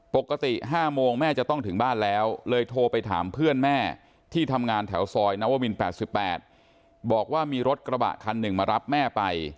๕โมงแม่จะต้องถึงบ้านแล้วเลยโทรไปถามเพื่อนแม่ที่ทำงานแถวซอยนววิน๘๘บอกว่ามีรถกระบะคันหนึ่งมารับแม่ไป